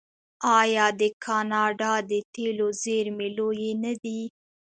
آیا د کاناډا د تیلو زیرمې لویې نه دي؟